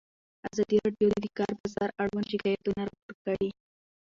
ازادي راډیو د د کار بازار اړوند شکایتونه راپور کړي.